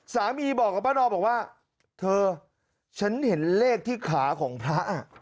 สามีบอกกับป้านอบอกว่าเธอฉันเห็นเลขที่ขาของพระ